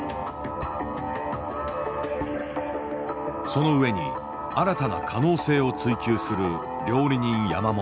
その上に新たな可能性を追求する料理人山本。